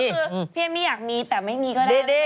คือพี่เอมไม่อยากมีแต่ไม่มีก็ได้